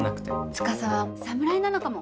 司は侍なのかも。